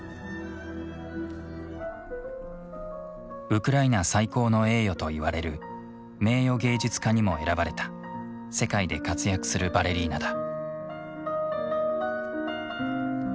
ウクライナ最高の栄誉といわれる名誉芸術家にも選ばれた世界で活躍するバレリーナだ。